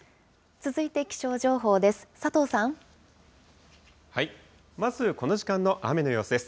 続いて気象情報です。